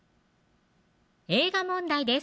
映画問題です